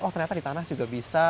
oh ternyata di tanah juga bisa